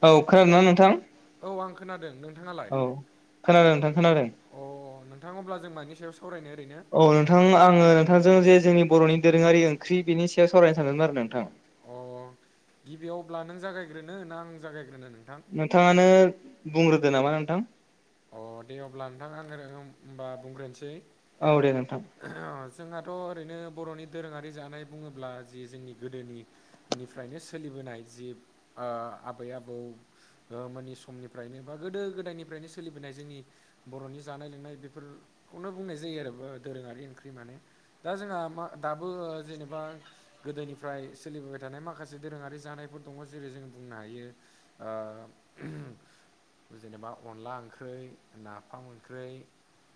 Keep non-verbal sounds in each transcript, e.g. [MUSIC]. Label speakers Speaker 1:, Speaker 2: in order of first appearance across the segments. Speaker 1: औ खोनादोंना नोंथां
Speaker 2: औ आं खोनादों नोंथाङालाय?
Speaker 1: औ खोनादों नोंथां खोनादों
Speaker 2: अ नोंथां अब्ला जों मानि सायाव सा
Speaker 1: औ नोंथां आङो नोंथांजों जे जोंनि बर'नि दोरोङारि ओंख्रि बेनि सायाव सावरायनो सानदोंमोन आरो नोंथां।
Speaker 2: अ गिबियाव अब्ला नों जागायग्रोनो नों आं जागायग्रोनो नों
Speaker 1: नोंथाङानो बुंग्रोदो नामा नोंथां।
Speaker 2: अ दे अब्ला नोंथां आङो होमबा बुंग्रोनोसै
Speaker 1: औ दे नोंथां
Speaker 2: जोंहाथ' ओरैनो बर'नि दोरोङारि जानाय बुङोब्ला जि जोंनि गोदोनिनिफ्रायनो सोलिबो नाय जि आबै आबौ मोननि समनिफ्रायनो बा गोदो गोदायनिफ्रायनो सोलिबोनाय जोंनि बर'नि जानाय लोंनाय बेफोरखौनो बुंनाय जायो आरो दोरोङारि ओंख्रि माने दा जोंहा दाबो जेनेबा गोदोनिफ्राय सोलिबोबाय थानाय माखासे दोरोङारि जानाय फोर दङ जेरै जों बुंनो हायो जेनेबा अनला ओं ख्रै नाफाम ओंख्रै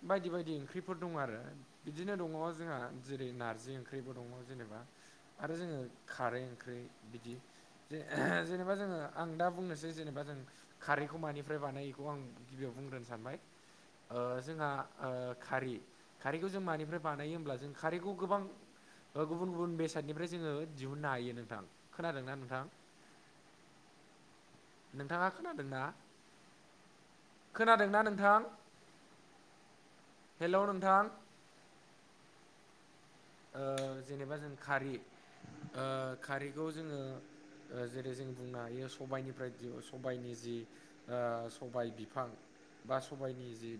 Speaker 2: बायदि बायदि ओंख्रिफोर दङ आरो बिदिनो दङ जोंहा जेरै नारजि ओंख्रैबो दङ जेनेबा आरो जोङो खारै ओंख्रै बिदि जे जेनेबा जोङो आं दा बुंनोसै जेनेबा जों खारैखौ मानिफ्राय बानायोखौ आं गिबियाव बुंग्रोनो सानबाय जोंहा खारै खारैखौ जों मानिफ्राय बानायो होमब्ला जों खारैखौ गोबां गुबुन गुबुन बेसादनिफ्राय जोङो दिहुननो हायो नोंथां खोनादोंना नोंथां
Speaker 1: [INAUDIBLE]
Speaker 2: नोंथाङा खोनादोंना? खोनादोंना नोंथां? हेलौ नोंथां जेनेबा जों खारि खारिखौ जोङो जेरै जों बुंनो हायो सबाइनिफ्राय सबाइनि जि सबाइ बिफां बा सबाइनि जि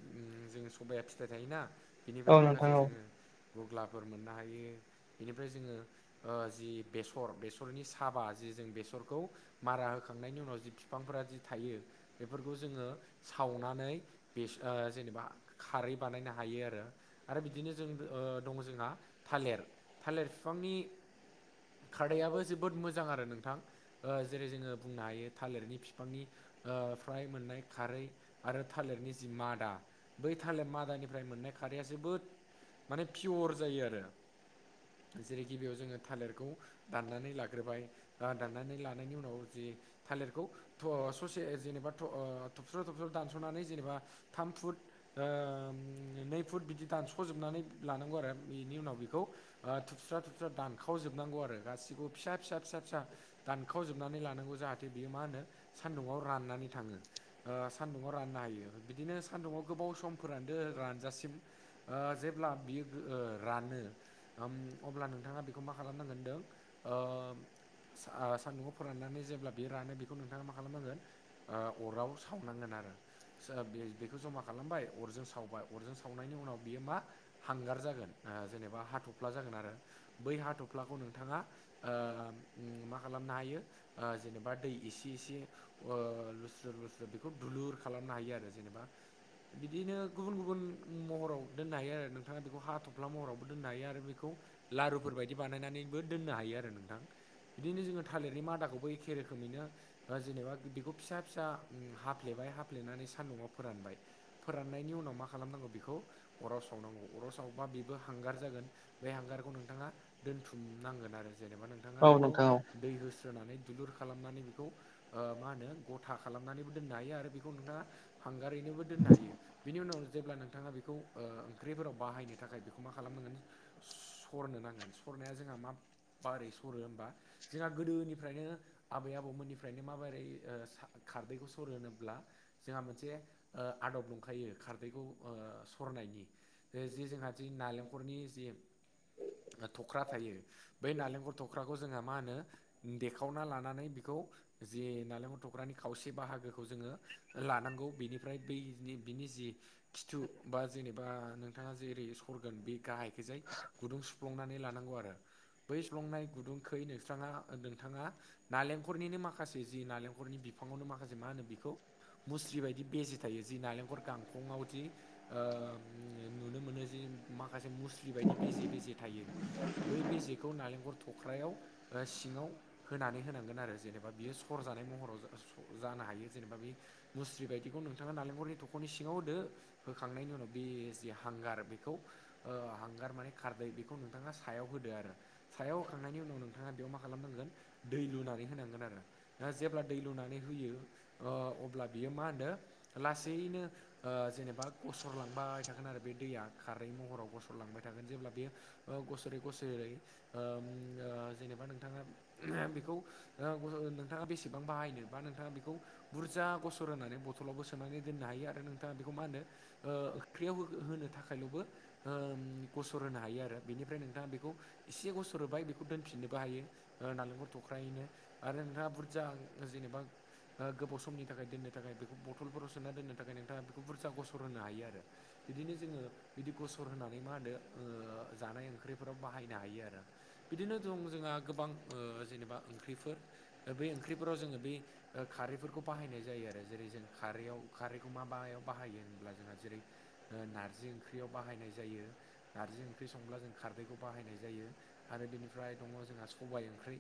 Speaker 2: जों सबाया फिथाइ थायोना
Speaker 1: औ
Speaker 2: बिनिफ्राय
Speaker 1: नोंथां
Speaker 2: माखासे
Speaker 1: औ
Speaker 2: जोङो गुग्लाफोर मोननो हायो बेनिफ्राय जोङो जि बेसर बेसरनि साबा जि जों बेसर खौ मारा होखांनायनि उनाव जि बिफांफोरा जि थायो बेफोरखौ जोङो सावनानै बे जेनेबा खारै बानायनो हायो आरो आरो बिदिनो जों दं जोंहा थालेर थालेर बिफांनि खारदाबो जोबोद मोजां आरो नोंथां जेरै जोङो बुंनो हायो थालिरनि बिफांनि फ्राय मोननाय खारै आरो थालिरनि जि मादा बै थालिर मादानिफ्राय मोन नाय खारैया जोबोद माने पियर जायो आरो। जेरै गिबियाव जोङो थालिरखौ दाननानै लाग्रोबाय दाननानै लानायनि उनाव जि थालिरखौ ससे जेनेबा थबस्र थ्रबस्र दानस'नानै जेनेबा थाम फुट, नै फुट बिदि दानस'जोबनानै लानांगौ आरो बेनि उनाव बेखौ थुबस्रा थुबस्रा दानखावजोबनांगौ आरो गासिखौबो फिसा फिसा फिसा फिसा दानखाव जोबनानै लानांगौ जाहाथे बियो मा होनो सान्दुङाव राननानै थाङो सान्दुङाव राननो हायो। यो बिदिनो सान्दुुङाव गोबाव समफोरान दो रानजासिम जेब्ला बियो ओ रानो अब्ला नोंथाङा बेखौ मा खालामनांगोनदों ओ सानदुङाव फोराननानै जेब्ला बे रानो बेखौ नोंथाङा मा खालामनांगोन अराव सावनांगोन आरो आरो बे बेखौ जमा खालामबाय अरजों सावबाय अरजों सावनायनि उनाव बियो मा हांगार जागोन। जेनेबा हाथफ्ला जागोन आरो बै हाथफ्लाखौ नोंथाङा मा खालाम नो हायो जेनेबा दै एसे एसे लुस्रो लुस्रो बेखौ दुलुर खालामनो हायो। बिदि आरो जेनबा बिदिनो गुबुन गुबुन महराव दोननो हायो आरो नोंथाङा बेखौ हाथ फ्ला महरावबो दनो हायो आरो बेखौ लारुफोर बायदि बानायनानैबो दोननो हायो आरो नोंथां बिदिनो जों थालिरनि मादाखौबो एखे रोखोमैनो जेनेबा बेखौ फिसा फिसा हाफ्लेबाय हाफ्लेनानै सानदुङाव फोरानबाय फोरनायनि उनाव मा खालामनांगौ बिखौ अराव सावनांगौ अराव साव बा बेबो हांगार जागोन बे हांगारखौ नोंथाङा दोनथुमनांगोन आरो। जेनेबा नोंथाङा
Speaker 1: औ
Speaker 2: बेखौ
Speaker 1: नोंथां औ
Speaker 2: दै होस्रोनानै दुलुर खालामनानै बेखौ मा होनो गथा खालामनानैबो दोननो हायो आरो बेखौ नोंथाङा हांगारै बो दोननो हायो बेनि उनाव जेब्ला नोंथाङा बिखौ ओंख्रिफोराव बाहायनो थाखाय बेखौ मा खालामनांगोन सरनो नांगोन सरनाया जोंहा माबारै सरो होमबा जोंहा गोदोनिफ्रायनो आबै आबौमोननिफ्रायनो माबोरै खारदैखौ सरो होनोब्ला जोंहा मोनसे आदब दंखायो खारदैखौ सरनायनि जे जोंहा जि नालेंखरनि जे थख्रा थायो बै नालेंखर थख्राखौ जोंहा मा होनो देखावना लानानै बेखौ जे नालेंखर थख्रानि खावसे बाहागोखौ जोङो लानांगौ बेनिफ्राय बै जे खिथु बा जेनेबा नोंथाङा जेरै स बे गाहायखैजाय गुदुं सुफ्लंनानै लानांगौ आरो बै सुफ्लुंनाय गुदुंखै नोंस्रां नोंथाङा नालेंखरनिनो माखासे जि नालेंखरनि बिफांआवनो माखासे मा होनो बेखौ मुस्रि बायदि बेजे थायो जि नालेंखर गांखंआव जि नुनो मोनो जि माखासे मुस्लि बायदि बेजे बेजे थायो बै बेजेखौ नालेंखर थख्रायाव सि सिङाव होनानै होनांगोन आरो जेनेबा बियो सरजानाय महराव जानो हायो जेनेबा बे मुस्रि बायदिखौ नोंथाङा नालेंखरनि थख'नि सिङाव होदो होखांनायनि उनाव बे जे हांगार बेखौ हांगार माने खारदै बेखौ नोंथाङा सायाव होदो आरो सायाव होखांनायनि उनाव नोंथाङा बेयाव मा खा खालामनांगोन दै लुनानै होनांगोन आरो जेब्ला दै लुनानै होयो अब्ला बियो मा होनो लासैनो जेनेबा गसरलांबाय थागोन आरो बे दैया। खारै महराव गसलांबाय थागोन जेब्ला बेयो गसरै गसरै ओ ओ जेनेबा नोंथाङा बेखौ नोंथाङा बेसेबां बाहायनो बा नोंथाङा बेखौ बुरजा गसर होनानै बथलावबो सोनानै दोननो हायो आरो नोंथाङा बेखौ मा होनो ओंख्रियाव होनो था बो गसर होनो हायो आरो बेनिफ्राय नोंथाङा बेखौ एसे गसर होबाय बेखौ दोनफिननो बाहायो नालेंखर थख्रायैनो आरो नोंथाङा बुरजा जेनेबा गोबाव समनि थाखाय दोननो थाखाय बेखौ बथलफोराव सोना दोननो थाखाय नोंथाङा बेखौ बुरजा गसर होनो हायो आरो। बिदिनो जोङो बिदि गसर होनानै मा होनदो जानाय ओंख्रिफोराव बाहायनो हायो आरो बिदिनो दं जोंहा गोबां जेनेबा ओंख्रिफोर बे ओंख्रिफोराव जोङो बे खारैफोरखौ बायनाय जायो। जेरै जों खारैयाव खारैखौ मा मायाव बाहायो अब्ला जोङा जेरै नारजि ओंख्रि ओंख्रियाव बाहायनाय जायो नारजि ओंख्रि संब्ला जों खारदैखौ बाहायनाय जायो आरो बेनिफ्राय दङ जों जोंहा सबाइ ओंख्रि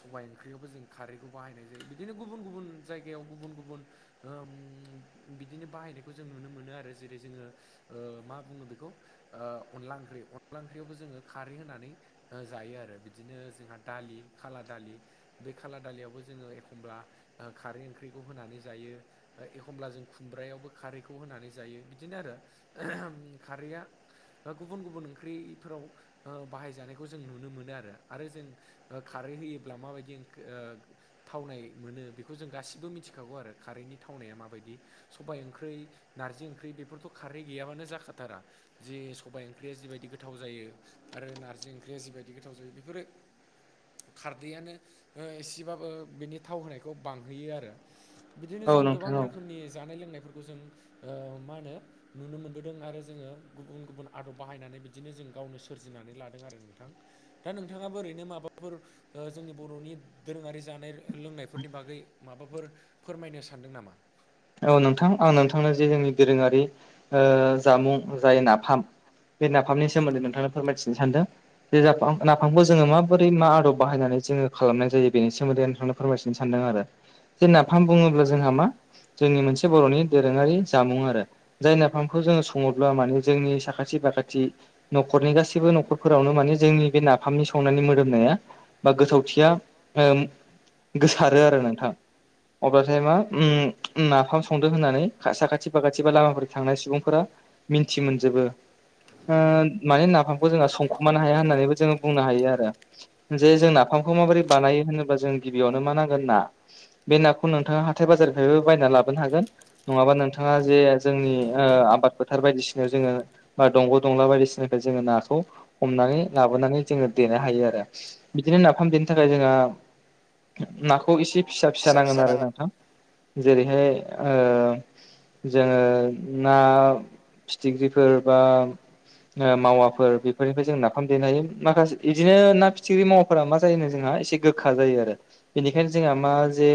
Speaker 2: सबाइ ओंख्रियावबो जों खारैखौ बाहायनाय जायो बिदिनो गुबुन गुबुन जायगायाव गुबुन गुबुन बिदिनो बाहायनायखौ जों नुनो मोनो आरो जेरै जोङो मा बुङो बेखौ अनला ओंख्रि अनला ओंख्रियावबो जोङो खारै होनानै जायो आरो। बिदिनो जोंहा दालि खाला दालि बे खाला दालियावबो जोङो एखमब्ला ओ खारै ओंख्रिखौ होनानै जायो एखमब्ला जों खुमब्रायावबो खारैखौ होनानै जायो बिदिनो आरो। खारैया गुबुन गुबुन ओंख्रिफोराव बाहाय जानायखौ जों नुनो मोनो आरो आरो जों ओ खार रै होयोब्ला माबायदि ओ थावनाय मोनो बेखौ जों गासिबो मिथिखागौ आरो खारैनि थाव नाया माबादि सबाइ ओंख्रि नारजि ओंख्रै बेफोरथ' खारै गैयाबानो जाखाथारा जे सबाय ओंख्रिया जिबायदि गोथाव जायो आरो नारजि ओंख्रिया जिबायदि गोथाव गोथाव जायो बेफोरो। खारदैयानो एसेबाबो बिनि थाव होनायखौ बांहोयो आरो। बिदिनो
Speaker 1: औ
Speaker 2: जों गोबां
Speaker 1: नोंथां औ
Speaker 2: रोखोमनि जानाय लोंनायफोरखौ जों ओ मा होनो? नुनो मोनबोदों आरो जोङो गुबुन गुबुन आदब बाहायनानै बिदिनो जों गावनो सोरजिनानै लादों आरो नोंथां। दा नोंथाङा ओरैनो माबाफोर जोंनि बर'नि दोरोङारि जानाय लोंनायफोरनि बागै माबाफोर फोरमायनो सानदों नामा?
Speaker 1: औ नोंथां आं नोंथांनो जे जोंनि दोरोङारि ओ जामुं जाय नाफाम बे नाफामनि सोमोन्दै नोंथांनो फोरमायथिनो सानदों जे जा नाफामखौ जोङो माबोरै मा आदब बाहायनानै जों खालामनाय जायो बेनि सोमोन्दै नोंथांनो फोरमायथिनो सानदों आरो जे नाफाम बुङोब्ला जोंहा मा? जोंनि मोनसे बर'नि दोरोङारि जामुं आरो जाय नाफामखौ जोङो सङोब्ला माने जोंनि साखाथि फाखाथि खाथि न'खरनि गासैबो न'खरफोरावनो माने जोंनि बे नाफामनि संनायनि मोदोमनाया बा गोथावथिया ओ गोसारो आरो नोंथां अब्लाथाय मा? उम नाफाम संदो होननानै साखाथि फाखाथि बा लामाफोर थांनाय सुबुंफोरा मिन्थि मोनजोबो। ओ माने नाफामखौ जोंहा संखुमानो हाया होननानैबो जोङो बुंनो हायो आरो जे जों नाफामखौ माबोरै बानायो होनोबा जों गबियावनो मा नांगोन ना बे नाखौ नोंथाङा हाथाइ बाजारनिफ्राइबो लाबोनो हागोन नङाबा नोंथाङा जे जोंनि ओ आबाद फोथार बायदिसिनायाव जोङो बा दंग' दंला बायदिसिनाखौ जोङो नाखौ हमनानै लाबोनानै जोङो देनो हायो आरो बिदिनो बिनो नाफाम देनो थाखाय जोंहा नाखौ इसे फिसा फिसा नांगोन आरो नोंथां। जेरैहाय ओ जोङो ना फिथिख्रिफोर बा मावाफोर बेफोरनिफ्राय जों नाफाम देनो हायो माखासे बिदिनो ना फिथिख्रि मावाफोरा मा जायोनो जोंहा इसे गोखा जायो आरो बेनिखायनो जोंहा मा जे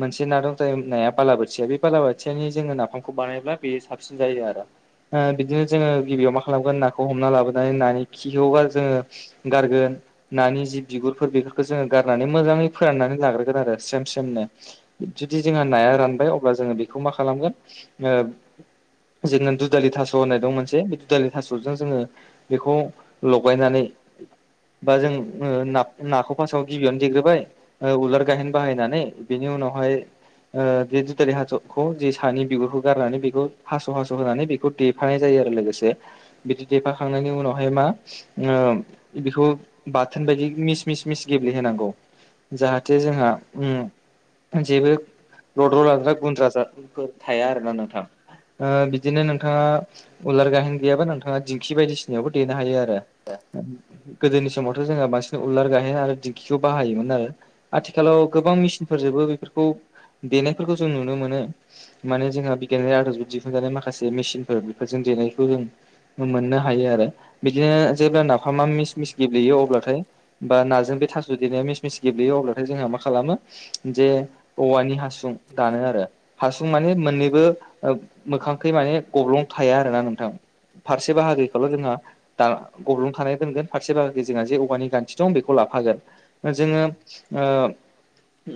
Speaker 1: मोनसे ना दं। नाया बालाबाथिया बे बालाबाथियानि जोङो नाफामखौ बानायब्ला बेयो साबसिन जायो आरो। बिदिनो जोङो गिबियाव मा खालामगोन नाखौ हमना लाबोनानै नानि खिखौ जोङो गारगोन नानि जि बिगुरफोर बेफोरखौ जोङो गारनानै मोजाङै फोराननानै लाग्रोगोन आरो स्रेम स्रेमनो। जुदि जोंहा नाया रानबाय अब्ला जोङो बेखौ मा खालामगोन ओ जोङो दुधालि थास' होननाय दं मोनसे बे दुदालि थास'जों जोङो बेखौ लगायनानै [UNINTELLIGIBLE] बा ओ जों नाखौ फासआव गिबियावनो देग्रोबाय उलार गाहेन बाहायनानै बेनि उनाव उनावहाय ओ बे दुदालि थास खौ जे सानि बिगुरखौ गारनानै बेखौ हास' हास' होनानै बेखौ देफानाय जायो आरो लोगोसे बिदि देफाखांनायनि उनावहाय मा ओ बेखौ बाथोन बायदि मिस मिस मिस गेब्लेहोनांगौ जाहाथे जोंहा उम जेबो लद्र' लाद्रा गुन्द्रा थाया आरोना नोंथां। ओ बिदिनो नोंथाङा उलार गाहेन गैयाबा नोंथाङा दिंखि बायदिसिनायावबो देनो हायो आरो। गोदोनि समावथ' जोंङो बांसिन उललार गाहेन आरो दिंखिखौ बाहायोमोन आरो आथिखालाव गोबां मेचिनफोरजोबो बेफोरखौ देनायफोरखौ जों नुनो मोनो माने जोंहा बिगियानारि आदबजों दिहुनजानाय माखासे मेसिनफोर बेफोर जों देनायखौ जों मोननो हायो आरो बिदिनो जेब्ला नाफामा मिस मिस गेब्लेयो अब्लाथाय बा नाजों बे थास' देनाया मिसमिस गेब्लेयो अब्लाथाय जोंहा मा खालामो जे औवानि हासुं दानो आरो हासुं माने मोननैबो मोखांखै माने गब्लं थाया आरो ना नोंथां फारसे बाहागिखौल' जोंहा दा गब्लं थानाय दोनगोन फारसे बाहागोखै जोंहा जे औवानि जे खान्थि दं बेखौ थाफागोन फागोन जोङो ओ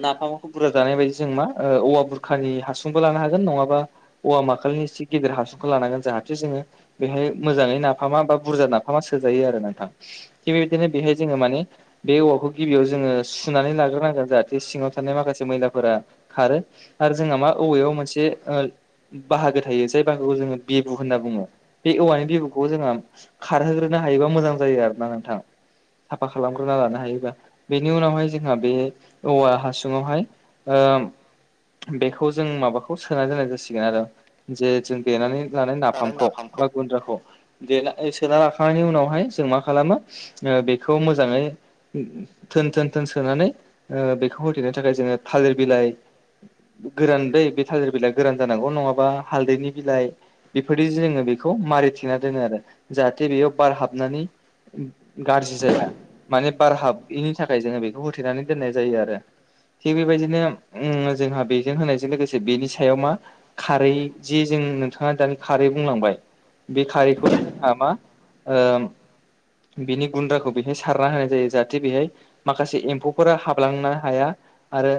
Speaker 1: नाफामखौ बुरजा जानायबायदि जों मा औवा बुरखानि हासुंबो लानो हागोन नङाबा औवा माखालनि एसे गेदेर हासुंखौ लानो लानांगोन जाहाथे जोङो बेहाय मोजाङै नाफामा बा बुरजा नाफामा सोजायो आरो नोंथां थिग बेबायदिनो बेहाय जोङो माने बे औवाखौ गिबियाव जोङो सुनानै लाग्रोनांगोन जाहाथे सिङाव थानाय माखासे मैला फोरा खारो आरो जोंहा मा औवायाव मोनसे ओ बाहागो थायो जाय बाहागोखौ जोङो बिबु होनना बुङो बे औवानि बिबुखौ जोङो खारहोग्रोनां नो हायोबा मोजां जायो आरोना नोंथां साफा खालामग्रोना लानो हायोबा बेनि उनावहाय जोंहा बे औवा हासुङावहाय ओ बेखौ जों माबाखौ सोना दोननाय जासिगोन आरो जे जों देनानै लानाय नाफामखौ बा गुन्द्राखौ दे ला सोना लाखांनायनि उनावहाय जों मा खालामो बेखौ मोजाङै थोन थोन थोन सोनानै बेखौ होथेनो थाखाय जोङो थालिर बिलाइ गोरान दै बे थाजिर बिलाया गोरान जानांगौ नङाबा हालदैनि बिलाइ बेफोरदि जोङो बेखौ मारैथेना दोनो आरो जाहाथे बेयाव बार हाबनानै गाज्रि जाया माने बार हाबैनि थाखाय जोङो बेखौ होथेनानै दोननाय जायो आरो थिग बेबायदिनो जोंहा बेजों होनायजों लोगोसे बेनि सायाव मा खारै जि जों नोंथाङा दानि खारै बुंलांबाय बे खारैखौ जोंहा मा ओ बिनि गुन्द्राखौ बेहाय सारना होनाय जायो जाहाथे बेहाय माखासे एम्फौफोरा हाबलांनो हाया आरो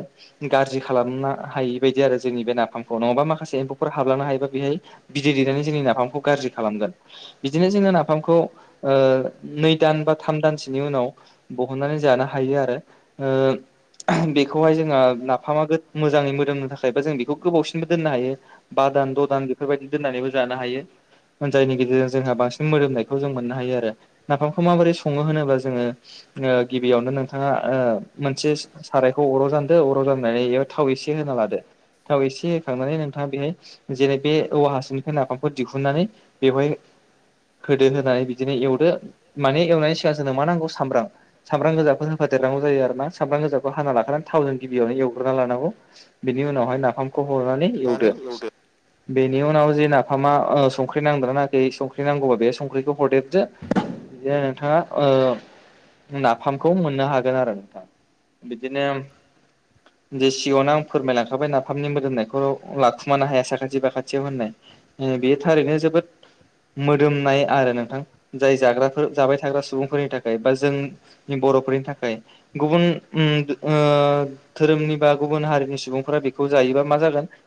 Speaker 1: गाज्रि खालामनो हायि बायदि आरो जोंनि बे नाफामखौ नङाबा माखासे एम्फौफोर हाबलांनो हायोबा बेहाय बिदै दैनानै जोंनि नाफामखौ गाज्रि खालामगोन बिदिनो जोङो नाफामखौ ओ नै नै दाम बा थाम दानसोनि उनाव बहननानै जानो हायो आरो बे खौहाय जोङो नाफामा मोजाङै मोदोमनो थाखाय बा जों बेखौ गोबावसिन बो दोननो हायो बा दान द' दान बेफोरबायदि दोननानैबो जानो हायो जायनि गेजेरजों जोंहा बांसिन मोदोमनायखौ जों मोननो हायो आरो नाफामखौ माबोरै सङो होनोब्ला जोङो गिबियावनो नोंथाङा ओ मोनसे साराय खौ अराव जानदो अराव जाननानै बेयाव थाव एसे होना लादो थाव एसे होखांनानै नोंथाङा बेहाय जेरै बे औवा हासुनिफ्राय नाफामखौ दिहुननानै बेवहाय होदो होनानै बिदिनो एवदो माने एवनायनि सिगां जोंनो मा नांगौ सामब्राम सामब्राम गोजाफोर होफा- देरनांगौ जायो आरो ना सामब्राम गोजाखौ हा ला आरो थावजों गिबियावनो एवग्रोना लानांगौ बेनि उनावहाय नाफामखौ हरनानै एवदो बेनि उनाव जे नाफामा ओ संख्रि नांदोंना नाङाखै संख्रि नांगौबा बे संख्रिखौ हरदेरबदो बिदिनो नोंथाङा नाफामखौ मोननो हागोन आरो नोंथां बिदिनो जे सिगाङावनो आं फोरमायलांखाबाय नाफामनि मोदोमनायखौ लाखुमानो हाया साखाथि बाखाथियाव होननाय बे थारैनो जोबोद मोदोमनाय आरो नोंथां जाय जाग्रा जाबाय थाग्रा सुबुंफोरनि थाखाय बा जोंनि बर'फोरनि थाखाय गुबुन धोरोमनि बा गुबुन हारिनि सुबुंफोरा बेखौ जायोबा मा जागोन